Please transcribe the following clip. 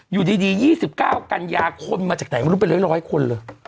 อยู่ดี๒๙กันยาคนมาจากไหนไม่รู้เป็นร้อยคนเลย